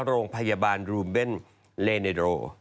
โรงพยาบาลรูมเบนเลเนโร